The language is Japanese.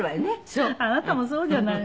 あなたもそうじゃない。